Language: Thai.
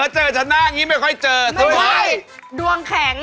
สุโคไทยครับสุโคไทยครับสุโคไทยครับ